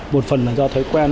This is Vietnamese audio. một phần là do thói quen